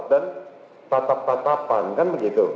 dan tatap tatapan kan begitu